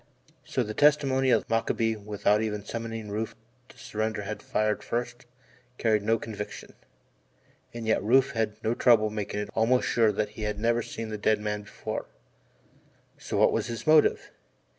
So the testimony of the latter that Mockaby without even summoning Rufe to surrender had fired first, carried no conviction. And yet Rufe had no trouble making it almost sure that he had never seen the dead man before so what was his motive?